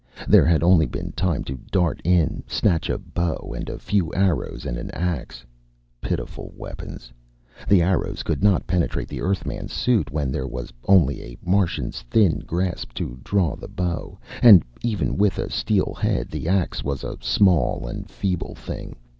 There had only been time to dart in, snatch a bow and a few arrows and an axe. Pitiful weapons the arrows could not penetrate the Earthman's suit when there was only a Martian's thin grasp to draw the bow, and even with a steel head the axe was a small and feeble thing.